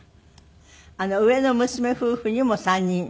上の娘夫婦にも３人孫がいる。